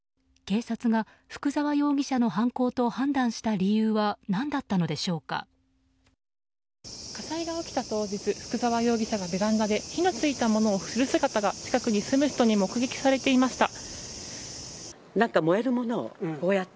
警察が福沢容疑者の犯行と判断した理由は火災が起きた当日福沢容疑者はベランダで火の付いたものを振る姿が近くに住む人に目撃されていました。